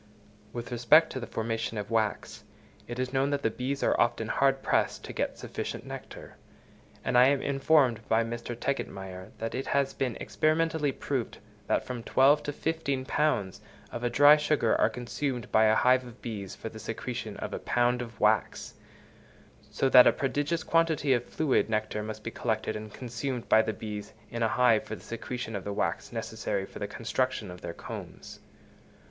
With respect to the formation of wax, it is known that bees are often hard pressed to get sufficient nectar; and I am informed by Mr. Tegetmeier that it has been experimentally proved that from twelve to fifteen pounds of dry sugar are consumed by a hive of bees for the secretion of a pound of wax; so that a prodigious quantity of fluid nectar must be collected and consumed by the bees in a hive for the secretion of the wax necessary for the construction of their combs.